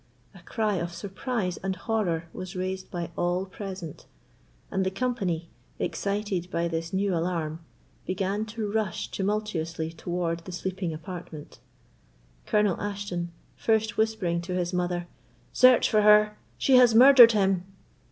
A cry of surprise and horror was raised by all present; and the company, excited by this new alarm, began to rush tumultuously towards the sleeping apartment. Colonel Ashton, first whispering to his mother, "Search for her; she has murdered him!"